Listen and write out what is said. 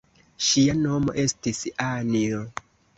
Ŝia nomo estis Anjo.